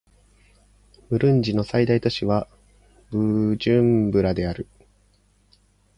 ブルンジの最大都市はブジュンブラである